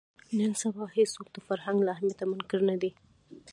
نن سبا هېڅوک د فرهنګ له اهمیته منکر نه دي